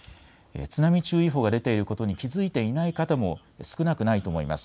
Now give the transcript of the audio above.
津波注意報が出ていることに気付いていない方も少なくないと思います。